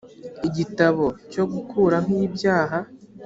igitambo cyo gukuraho ibyaha